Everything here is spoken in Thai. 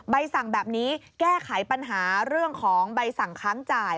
ใบสั่งแบบนี้แก้ไขปัญหาเรื่องของใบสั่งค้างจ่าย